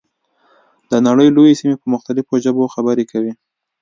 د نړۍ لویې سیمې په مختلفو ژبو خبرې کوي.